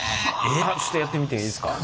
ちょっとやってみていいですか？